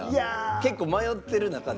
結構迷ってる中で？